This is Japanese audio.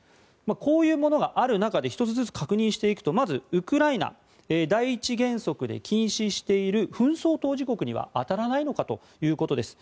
こういうものがある中で１つずつ確認していくとまずウクライナは第１原則で禁止している紛争当事国には当たらないのかということです。